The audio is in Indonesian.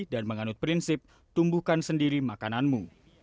dan menganut prinsip tumbuhkan sendiri makananmu